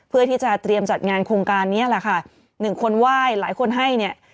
เพื่อที่จะเตรียมจัดงานโครงการนี้แหละค่ะหนึ่งคนไหว้หลายคนให้เนี่ย